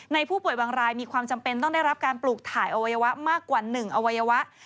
ผู้ป่วยบางรายมีความจำเป็นต้องได้รับการปลูกถ่ายอวัยวะมากกว่า๑อวัยวะ